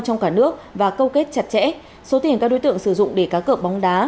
trong cả nước và câu kết chặt chẽ số tiền các đối tượng sử dụng để cá cợp bóng đá